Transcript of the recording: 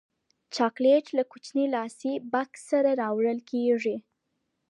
چاکلېټ له کوچني لاسي بکس سره راوړل کېږي.